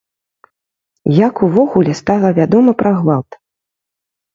Як увогуле стала вядома пра гвалт?